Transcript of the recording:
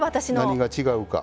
何が違うか。